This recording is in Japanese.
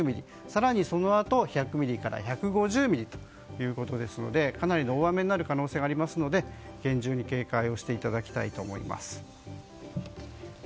更にそのあと１００ミリから１５０ミリということですのでかなりの大雨になる可能性がありますので厳重に警戒をしていただきたいと思います。